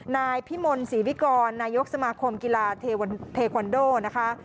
นายพิมลศรีวิกรนายกสมาคมกีฬาเทควันโดนะคะ